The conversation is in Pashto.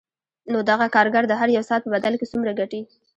نو دغه کارګر د هر یوه ساعت په بدل کې څومره ګټي